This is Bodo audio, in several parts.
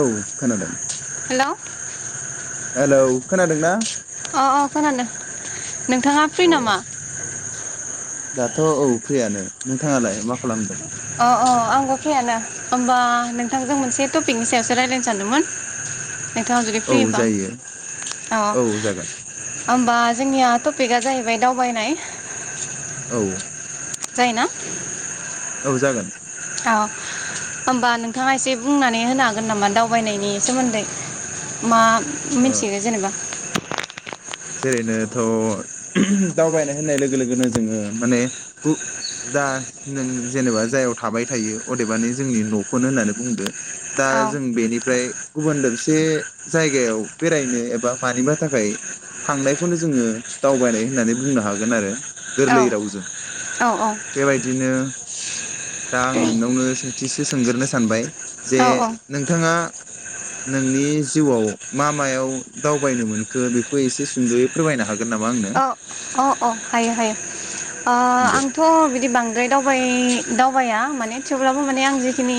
औ खोनादों। [inaudible] हेलौ खोनादोंना अ खोनादों नोंथाङा फ्रि अ नामा दाथऔ फ्रियानो नोंथाङालाय मा खालामदों? अ अ आंबो फ्रि यानो ओममबा नोंथांजों मोनसे टपिकनि सायावसो रायलायनो सानदोमोन। औ जायो अ औ जागोन होमबा जोंनिया टपिकआ जाहैबाय दावबायनाय औ जायोना औ जागोन औ होमबा नोंथाङा एसे बुंनानै होनो हागोन नामा दावबायनायनि सोमोन्दै मा ओ मिथिगो जेनेबा जेरैनोथ दावबायनाय होननाय लोगो लोगोनो जोङो माने दा गु दा नों जेनेबा जायाव थाबाय थायो अदेबानि जोंनि नखौनो होननानै बुंदो दा औ जों बेनिफ्राय गुबुन दोबसे जायगायाव बेरायनो एबा मानिबा थाखाय थांनायखौनो जोंङो दावबायनाय होननानै बुंनो हागोन आरो औ गोरलै रावजों औ बेबायदिनो दा आं नोंनावनो सोंथिसो सों सोंग्रोनो सानबाय जे औ औ नोंथांङा नोंनि जिउआव मा मायाव दावबायनो मोनखो बे खौ एसे सुंद'यै फोरमायनो हागो अ अ अ हायो हायो अ दे आंथ बिदि बांद्राय दावबाय दावबाया माने ने थेवब्लाबो माने आं जिखिनि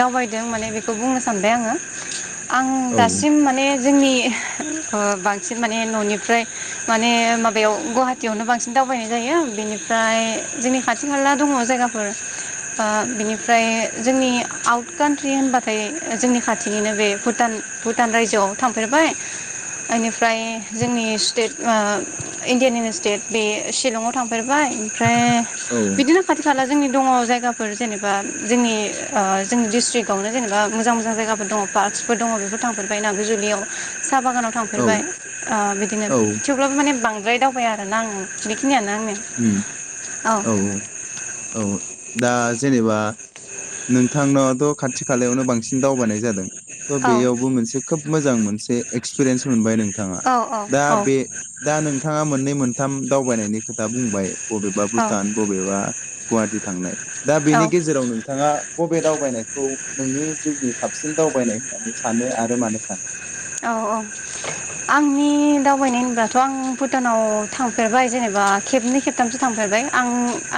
दावबायदों माने बेखौ बुंनो सानबाय आङो आं औ दासिम माने जोंनि ओ बांसिन माने ननिफ्राय माने माबायाव गुवाहाटियावनो बांसिन दावबायनाय जायो बेनिफ्राय जोंनि खाथि खाला दङ जायगाफोर बिनिफ्राय ओ जोंनि आउट कान्ट्रि होनबाथाय जोंनि खाथिनिनो बे भुटान भुटान रायजोआव थांफेरबाय इनिफ्राय जोंनि स्टेट इण्डियानि स्टेट बे शिलंआव थांफेरबाय ओमफ्राय औ बिदिनो खाथि खाला जोंनि दङ जायगा फोर जेनेबा जोंनि ओ जोंनि डिस्ट्रिकआवनो जेनेबा मोजां मोजां जायगाफोर दङ पार्कसफोर दङ बेफोर थांफेरबाय नाग्रिजुलियाव साहा बागानाव औ थांफेरबाय ओ बिदिनो औ थेवब्लाबो माने बांद्राय दावबाय आरो ना आं बेखिनियानो आंनिया औ औ दा जेनेबा नोंथांनावथ' खाथि खालायावनो बांसिन दावबायनाय जादों थ' औ बेयावबो मोनसे खोब मोजां मोनसे एक्सपिरियेन्स मोनबाय नोंथाङा औ दा बे दा नोंथाङा मोननै मोनथाम दावबायनायनि दा बुंबाय बबेबा औ भुटान बबेबा गुवाहाटि थांनाय दा औ बेनि गेजेराव नोंथाङा बबे दावबायनायखौ नोंनि जिउनि साबसिन दावबायनाय होननानै सानो आरो मानो सानो औ औ आंनि दावबायनाय होनब्लाथ' आं भुटानाव थांफेरबाय जेनेबा खेबनै खेबथामसो थांफेरबाय आं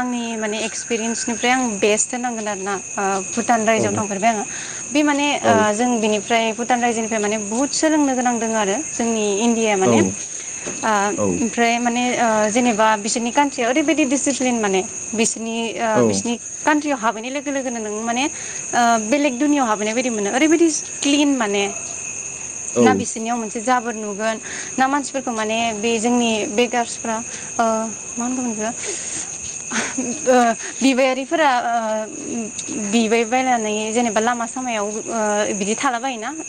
आंनि माने एक्सपिरियेन्सनिफ्राय आं बेस्ट होनांगोन आरोना‌ ओ भुतान औ रायजोआव थांफेरबाय आङो बे माने औ ओ जों बिनिफ्राय भुटान रायजोनिफ्राय माने बुहुत सोलोंनो गोनां दों आरो जोंनि इण्डिया माने औ ओ औ ओमफ्राय माने ओ जेनेबा बिसोरनि कान्ट्रियाव ओरैबायदि डिसिप्लिन माने बिस नि औ बिसिनि कान्ट्रियाव हाब हाबहैनाय लोगो लोगोनो नों माने बेलेग दुनियाव हाबैनाय बायदि मोनो ओरैबायदि क्लिन माने औ ना बिसिरनियाव मोनसे जाब जाबोर नुगोन ना मानसिफोरखौ माने बे जोंनि बेगार्सफ्रा ओ मा होनगोन आं बेखौ बिबायारिफोरा बिबायबायनानै जेनेबा लामा सामायाव ओ बिदि थाला बायोना ओ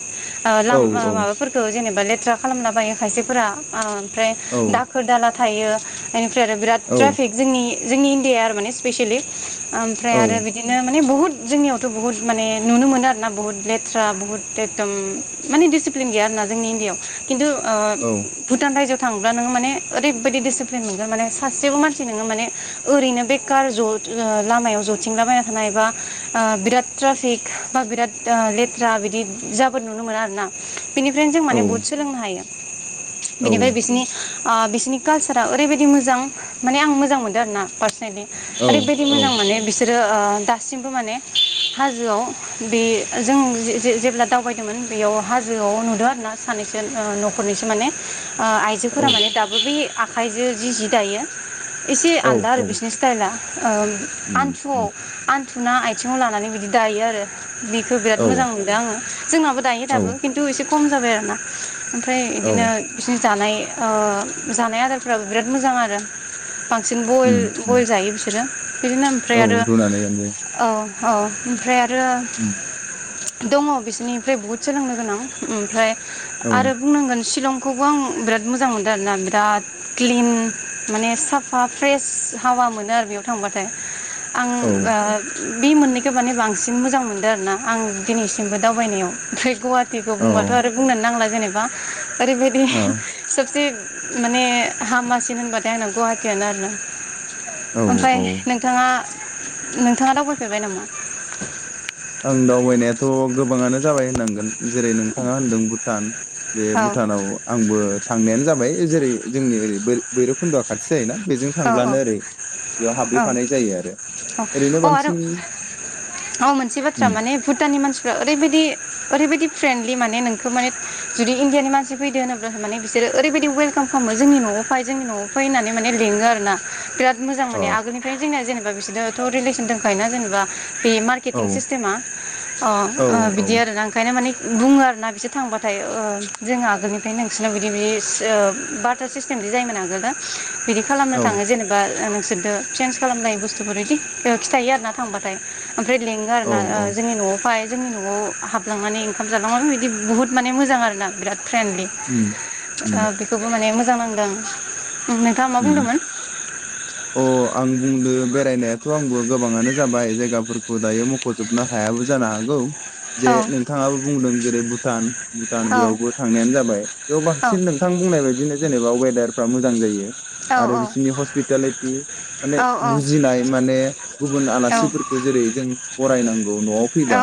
औ लाम माबाफोरखौ जेनेबा बा लेथ्रा खालामना बायो खायसेफोरा ओ फ्राय औ दाखोर दाला थायो इनिफ्राय आरो बिराद औ ट्राफिक जोंनि जोंनि इण्डियााया आरो माने स्पेसियेलि ओमफ्राय औ आरो बिदिनो माने बहुत जोंनियावथ' बुहुत माने नुनो मोनो आरो ना बुहुत लेथ्रा बुहुत एकदम मानि दिसिप्लिन गैया आरोना जोंनि इण्डियाआव खिन्थु ओ भुटान रायजो थांब्ला नोङो माने ओरैबायाददि डिसिप्लिन मोनगोन माने सासेबो मानसि नोङो माने ओरैनो बेकार ज' लामायाव ज'थिंलाबायना थानाय बा बिराद ट्राफिक बा बिराद लेथ्रा बिदि जाबोर नुनो मोना आरो ना बेनिफ्रायनो जों औ माने बुहुत सोलोंनो हायो। बिनिफ्राय बिसनि आ बिसनि कालसारा ओरैबायदि मोजां माने आं मोजां मोनदो आरोना। औ ओरैबायदि मोजां माने बिस सोरो ओ दासिमबो माने हाजोआव बे जों जे-जे-जेब्ला दावबायदोंमोन बेयाव हाजोआव नुदों आरोना सानैसो नो न'खरनिसो माने ओ आइजोफोरा माने दाबो बे आ खाइजो जि जि दायो एसे औ आलदा आरो औ बिसनि स्टाइला ओ उम आनथुआव उम आन थुना आथिङाव लानानै बिदि दायो आरो बेखो बिराद औ मोजां मोनदो आङो जोंनाबो दायो औ बो किन्तु इसे खम जाबाय आरोना। ओमफ्राय औ बिदिनो बिसनि जानाय ओ जानाय आदारफ्राबो बिराद मोजां आरो बांसिन बइल उम उम बइल जायो बिसोरो बिदिनो ओमफ्राय औ आरो रुनानै दानजायो औ औ ओमफ्राय आ रो उम दङ बिसोरनिफ्राय बहुद सोलोंनो गोनां उमफ्राय औ आरो बुंनांगोन शिलं खौबो आं बिराद मोजां मोनदों आर ना बिराद क्लिन माने साफा फ्रेस हावा मोनो आरो बेयाव थांबाथाय आं औ ओ बे मोननैखो माने बांसिन मोजां मोनदो आरोना आं दिनैसिमबो दावबायनायाव फ्रे गवाट टिखौ औ बुंबाथ' आरो बुंनानो नांला जेनेबा ओरैबायदि औ सबसे माने हामासिन होनबाथाय आंना गहाटियानो आरोना औ ओमफ्राय औ नोंथाङा नोंथाङा दावबायफेरबाय नामा? आं दावबायनायाथ' गोबाङानो जाबाय होननांगोन। जेरै नोंथाङा होनदों भुटान बे औ भुटानाव आंबो थांनायानो जाबाय जेरै जोंनि ओरै बोर भैरबखुन्द'आ खाथि जायोना बेजों औ थांब्लानो ओरै बेयाव औ हाबहैफानाय जायो आरो औ ओरैनो अ बांसिन थ्रा उम माने भुटाननि मानसिफ्रा ओरैबादि ओरैबाद दि फ्रेन्दडलि माने नोंखौ माने जुदि इण्डियानि मानसि फैदो होनोब्ला माने बिसोरोओरैबायदि ववेलकाम खामो' जोंनि न'आव फाय जोंनि नआव फाय फाय होननानै माने लिङो आरो ना बिराद मोजां औ मोनो आगोलनिफ्राय जोंनिया जेनेबा बिसोरोथ'' रिलेस दोंखायो ना जेनेबा बे औ मार्केटिं सिस्टेमा औ अ औ बिदि आरोना ओंखायनो माने बुङो आरोना बिसोर थांबाथाय ओ जों आगोलनिफ्राय नोंसोरनाव बिदि बि ओ बाटार सिस्टेमदि जायोमोन आगोलो। बिदि खालामनो औ थाङो जेनेबा ओ बिसोरदो चेन्ज खालामनाय बुस्थुफोर बिदि खिथायो आरोना थांबाथाय। ओमफ्राय लेंङो औ आरोना ओ औ जोंनि न'आव फाय जोंनि न'आव हाबलांनानै ओंखाम जालांनानै बे बिदि बहुत माने मोजां आरोना बिराद फ्रेन्डलि उम उम ओ बेखौबो माने मोजां नांदों। आं नोंथाङा मा उम बुंदोंमोन अ आं बुंदों बेरायनायाथ' आंबो गोबाङानो जाबाय जायगाफोरखौ दायो मख'जोबनो हायाबो जानो हागौ। जे औ नोंथाङाबो बुंदों जेरै भुटान भुटान औ बेयावबो थांनायानो जाबाय बेयाव औ बांसिन नोंथां बुंनाय बायदिनो जेनेबा अयेदार फ्रा मोजां जायो औ आरो बिसोरनि हस्पिटेलिटि माने औ बुजिनाय माने गुबुन औ आलासिफोरखौ जेरै जों बरायनां खौ न'आव फैबा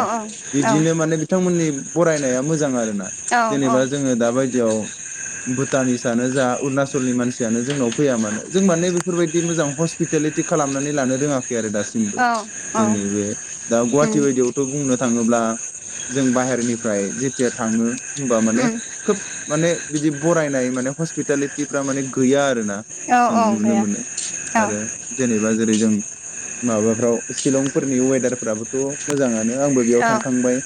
बिदिनो माने बिथांमोननि फरायनाया मोजां आर ना जेनेबा जोङो दा बायदियाव भुटानिसआानो जा अरुणाचलनि मानसियानो जोंनाव फैया मानो जों माने बेफोरबायदि मोजां हस्पिटालिटि खालामनानै लानो रोङाखै आरो दासिमबो औ औ जोंनि बे दा उम गुवाहाटि बायदियावथ' बुंनो थाङोब्ला जों बाहेरनिफ्राय जेथिया थाङो होमबा माने उम खोब माने बिदि बरायनाय माने हस्पिटालिटिफ्रा माने गैया आरो ना औ जों औ नुनो गैया मोनो औ आरो जेनेबा जेरै जों माबाफ्राव शिलंफोरनि वेदारफ्राबोथ' मोजाङनो आंबो बेयाव औ थांखांबाय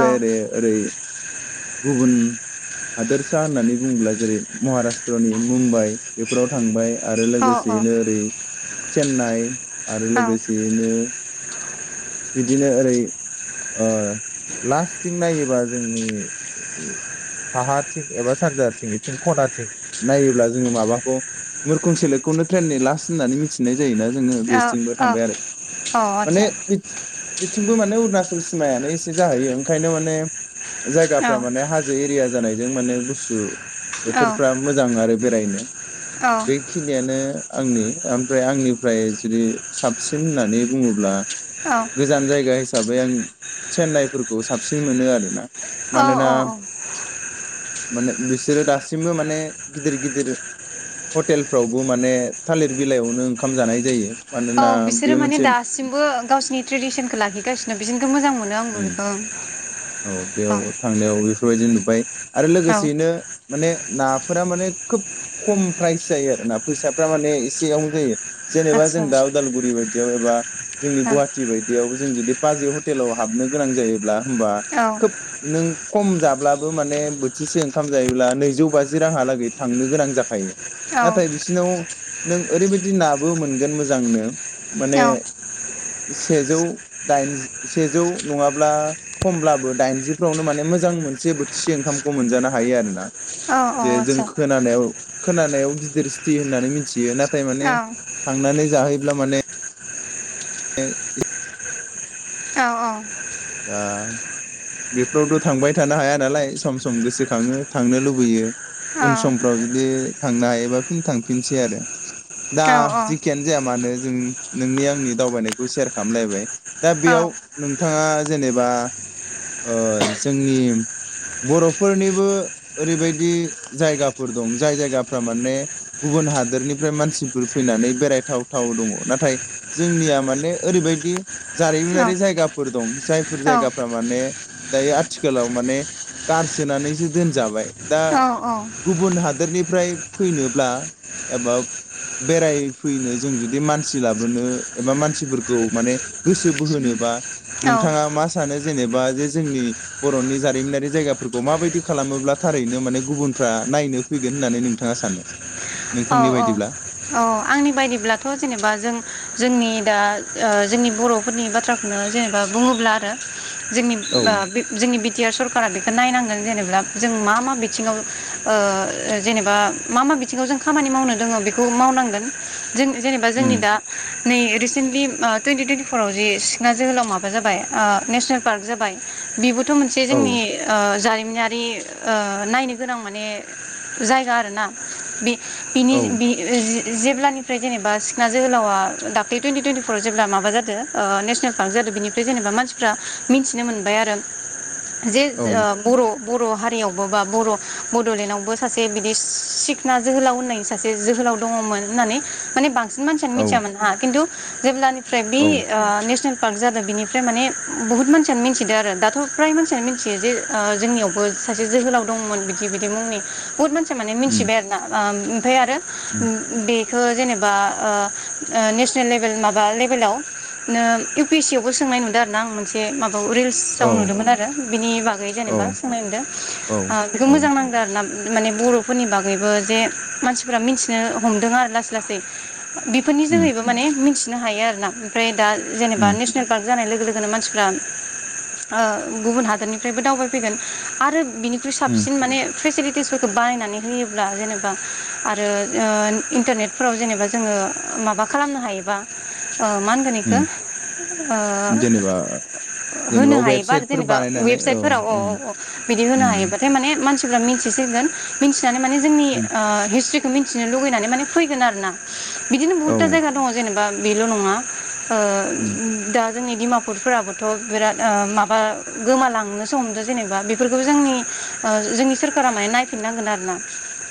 औ ओरै ओरै गुबुन हादोरसा होननानै बुङोब्ला जेरै महाराष्ट्रनि मुम्बाइ बेफोराव थांबाय आरो औ लोगोसेयैनो ओरै चेन्नानाय आरो औ लोगोसेयैनो बिदिनो ओरै ओ लास्थिं नायोबा जोंनि साहा थिं एबा सानजाथिं इथिं खनाथिं नायोब्ला जोङो माबा मुरखुं सेलेकखौनो ट्रेननि लास होननानै मिथिनाय जायोना जोंङो औ बिसिंबो थांबाय आरो माने आदसा बिथिंबो माने अुरुनाच सुस सिमायानो एसे जाहैयो ओंखायनो माने औ जायगाफ्रा औ माने हाजो एरिया जानाय जों माने गुसु औ बोथोरफ्रा मोजां आरो बेरायनो बेखिनियानो आंनि ओमफ्राय आंनिफ्राय जुदि साबसिन होननानै बुङोब्ला गोजान जायगा हिसाबै आं चेन्नाइफोरखौ साबसिन मोनो आरोना औ मानोना औ [inaudible] मोनो बिसोरो दासिमबो माने गिदिर गिदिर हटेलफ्रावबो माने थालिर बिलाइयावनो ओंखाम जानाय जायो मानोना बिसोरो बेयो माने मोनसे दासिमबो गावसिनि ट्रेडिसनखौ लाखिगासिनो बिसोरनिखौ मोजां मोनो आंबो उम बेखौ औ बेयाव थांनायाव बेफोरबायदि नुबाय आरो औ लोगोसेयैनो माने नाफोरा माने खोब खम प्राइस जायो आरोना फैसाफ्रा माने एसेयावनो जायो जेनेबा जों आदसा दा उदालगुरि बायदियाव एबा जोंनि औ गुवाहाटि बायदियाव जों जुदि बाजै हटेलाव हाबनो गोनां जायोब्ला होमबा औ खोब नों खम जाब्लाबो माने बोथिसे ओंखाम जायोब्ला नैजौ बाजि रांहालागै थांनो गोनां जाखायो खायो औ नाथाय बिसोरनाव नों ओरैबायदि नाबो मोनगोन मोजांनो माने औ सेजौ दाइनजि सेजौ नङाब्ला खमब्लाबो दाइनजिफ्रावनो माने मोजां मोनसे बोथिसे ओंखामखौ मोनजानो हायो आरो ना आदसा औ औ जे औ जों खोनानायाव खोनानायाव गिदिर सिथि होननानै मिथियो ना। थाय माने थांनानै जाहैब्ला माने। औ औ ओ बेफोरावथ' थांबाय थानो हाया नालाय सम सम गोसोखाङो थांनो लुबैयो। उन समफ्राव जुदि थांनो हायोबा। फिन थांफिनसै आरो। औ दा जेखियानो जाया मानो जों नोंनिया। आंनि दावबायनायखौ सेयार खालामलायबाय। दा बेयाव नोंथाङा। जेनेबा ओ जोंनि बर'फोरनिबो ओरैबायदि जायगाफोर दं जाय जायगाफ्रा माने गुबुन हादोरनिफ्राय मानसिफोर फैनानै बेरायथाव थाव दङ नाथाय जोंनिया माने ओरैबायदि। जारिमिनारि जायगाफोर दं जाय। जायगाफ्रा माने। दायो आथिखालाव माने गारसोनानैसो दोनजाबाय। दा औ औ गुबुन हादोरनिफ्राय। फैनोब्ला एबा बेरायफैनो जों जुदि मानसि लाबोनो एबा मानसिफोरखौ माने गोसो बोहोनोबा। औ। बिथाङा मा सानो। जेनेबा जे जोंनि बर'नि जारिमिनारि जायगाफोरखौ माबायदि खालामोब्ला थारैनो माने गुबुनफ्रा नायनो फैगोन होननानै नोंथाङा सानो। नोंथांनि औ- औ बायदिब्ला -औ -आंनि बायदिब्लाथ' जेनेबा जों जोंनि। दा ओ जोंनि बर'फोरनि बाथ्राखौनो जेनेबा बुङोब्ला आरो। जोंनि औ ओ उम जोंनि बि टि आर सरकारा बेखौ नायनांगोन। जेनेब्ला जों मा मा बिथिङाव ओ जेनेबा मा मा बिथिङाव जों। खामानि मावनो दङ बेखौ मावनांगोन। जों जेनेबा जोंनि दा। नै रिसेन्टलि ओ टुइनटि टुइेटि फराव जिसिखना जोहोलाव माबा जाबाय ओ नेसनेल पार्क जाबाय बिबो। बिफोर मोनसे औ जोंनि ओ जारिमिन। मिनारि ओ नायनो गोनां माने जायगा आरोना बे। बिनि औ बि जि। जेब्लानिफ्राय जेनेबा सिखना जोहोलावा दाख्लै टुइन्टि टुवन्टिफराव जेब्ला माबा जादों नेसनेल पार्क जादों बेनिफ्राय जेनेबा मानसिफ्रा मिन्थिनो मोनबाय आरो। जे ओ औ बर'। बर' हारियावबो बा बर' बड'लेण्डआवबो सासे बिदि सिखना। जोहाव होननाय सासे जोहोलाव दङमोन होननानै माने बां। बांसिन मानसियानो औ मिथियाामोन हा खिन्तु। जेब्लानि। फ्राइ बि औ ओ नेसनेल पार्क जादों बिनिफ्राय माने बुहुत मानसियानो मिथिदों आरो दाथ' फ्राय मानसियानो मिथियो जे जोंनियावबो सासे जोहोलाव दंमोन बिदि बिदि मुंनि बुहुत मानसि माने उम मिथिबाय आरो ना। ओम ओमफ्राय आरो उम उ बे हो जेनेबा ओ ओ नेसेनेल लेबेल माबा लेबेलाव नो इउ पि एस चि आवबो सोंनाय नुदों आरोना आं मोनसे माब औ औ रिल्सआव नुदोंमोन आरो बिनि बागै औ जेनेबा सोंनाय नुदों औ ओ बेखो औ मोजां नांदों आरोना। माने बर'फोरनि बागैबो बे मानसिफोरा मिथिनो हमदों आरो लासै लासै बेफोरनि उम जोहैबो माने मिथ नो हायो आरोना। ओमफ्राय दा जेनेबा उम नेसनेल पार्क जानाय लोगो लोगोनो मानसिफोरा ओ गुबुन हादोरनिफ्रायबो दावबाय फैगोन आरो बिनिख्रुइ उम साबसिन माने फेसिलिटिसफोरखौ बानायनानै होयोब्ला जेनेब बा आरो इन्टारनेटफोराव जेनेबा जोङो माबा खालामनो हायोबा ओ मा होनगोन इखो उम ओ जेनेबा जेनेबा होनो हायोबा आरो वेबसाइटफोर जेनेबा बानायनानै वेबसाइटफोराव औ उम औ औ बिदि होनो उम हायोबाथाय माने मानसि थुबानो मिथिसगोन मिनथि दानो माने जोंनि उम ओ हिस्ट्रिखौ मिन्थिनो लुगैनानै माने फैगोन आरोना। बिदिनो औ बहुतता जायगा दङ जेनेबा बेल' नङा ओ उम दा जोंनि डिमापुफोराबोथ' बिराद ओ माबा गोमालांनोसो हमदो जेनेबा बेफोरखौबो जोंनि ओ जोंनि सोरखारा माय नायफिननांगोन आरोना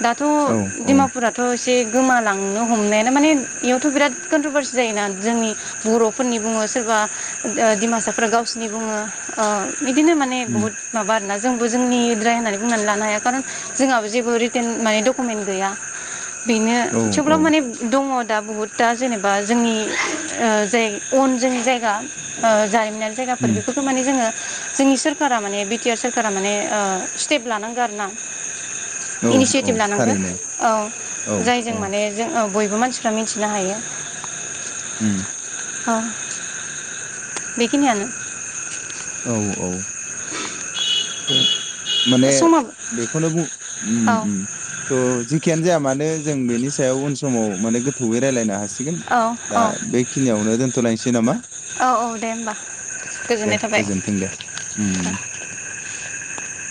दाथ' औ डिमापुरथ' एसे गोमालांनो हमनायानो माने इयावथ' बिराद कन्ट्रभारसि जायोना जोंनि बर'फोरनि बुङो सोरबा ओ डिमासाफ्रा गावसोरनि बुङो ओ बिदिनो माने उम बहुत माबा नोना जोंबो जोंनिद्राय होननानै बुंनानै लानो हाया कारन जोंहाबो जेबो रि होननाय डकुमेन्ट गैया बिनो औ औ थेवब्लाबो माने दङ दा बहुतता जेनेबा जोंनि ओ जाय अन जों जायगा ओ जाय लुनाय जायगाफोर उम बेफोरखौ माने जोङो जोंनि सोरखारा माने बि टि आर सोरखारा माने स्टेप लानांगो आरोना औ इनिसियेटिभ औ लानांगो थारैनो औ औ जायजों औ माने जों औ बयबो मानसिफ्रा मिथिनो हायो होम अ बेखिनियानो औ औ उ द माने बेखौनो औ थ' जेखियानो जाया मानो जों बेनि सायाव उन समाव माने गोथौैयै रायलायनो हासि गोन औ दा औ बेखिनियावनो दोनथ'लायनोसै नामा औ औ दे होमबा दे गोजोननाय थाबाय गोजोनथों दे उ उ [inaudible]